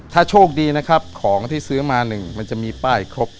ถ้าโชคดีนะครับของที่ซื้อมาหนึ่งมันจะมีป้ายครบ